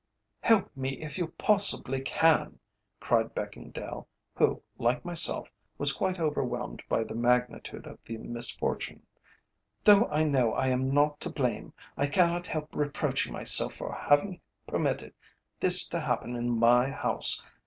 "Help me if you possibly can," cried Beckingdale, who, like myself, was quite overwhelmed by the magnitude of the misfortune. "Though I know I am not to blame, I cannot help reproaching myself for having permitted this to happen in my house.